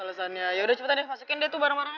kayaknya ya udah cepet masukin barang barang